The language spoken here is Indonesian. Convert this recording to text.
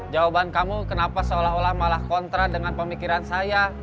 jawaban kamu kenapa seolah olah malah kontra dengan pemikiran saya